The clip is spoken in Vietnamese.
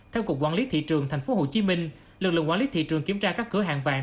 theo cục quản lý thị trường tp hcm lực lượng quản lý thị trường kiểm tra các cửa hàng vàng